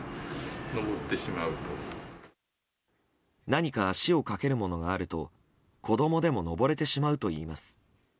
何か足をかけるものがあると子供でも上れてしまうというといいます。